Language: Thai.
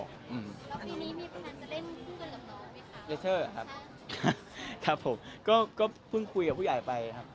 ปุ๊กเชิย์ครับครับผมก็ก็เพิ่งคุยกับผู้ใหญ่ไปครับ